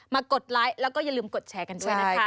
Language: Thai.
กดไลค์แล้วก็อย่าลืมกดแชร์กันด้วยนะคะ